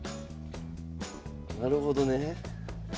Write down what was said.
なるほどね。